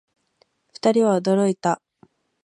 二人は驚いた